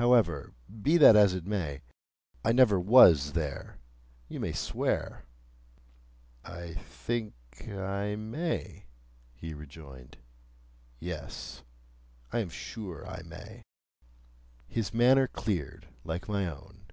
However, be that as it may, I never was there, you may swear." "I think I may," he rejoined. "Yes; I am sure I may." His manner cleared, like my own.